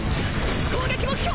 攻撃目標